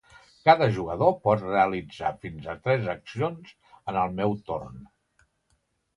Cada jugador pot realitzar fins a tres accions en el meu torn.